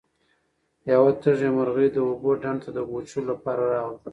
یوه تږې مرغۍ د اوبو ډنډ ته د اوبو څښلو لپاره راغله.